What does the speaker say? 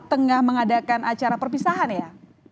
tengah mengadakan acara perpisahan ya